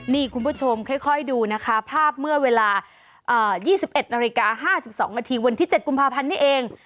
นี่คุณผู้ชมค่อยดูนะคะภาพเมื่อเวลา๒๑นาฬิกา๕๒นาทีวันที่๗กุมภาพันธ์นี่เอง